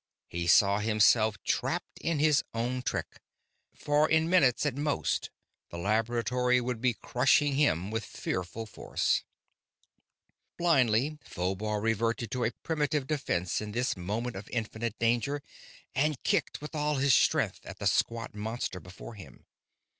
He saw himself trapped in his own trick, for in minutes at most the laboratory would be crushing him with fearful force. Blindly Phobar reverted to a primitive defense in this moment of infinite danger and kicked with all his strength at the squat monster before him.